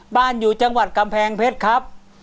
บ้านอยู่จังหวัดกำแพงเพชรครับ